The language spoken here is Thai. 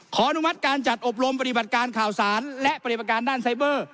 อนุมัติการจัดอบรมปฏิบัติการข่าวสารและปฏิบัติการด้านไซเบอร์